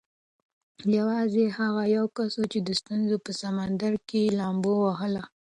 یوازې هغه یو کس و چې د ستونزو په سمندر کې یې لامبو ووهله.